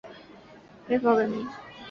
然前者却因专利与商标问题被迫更名。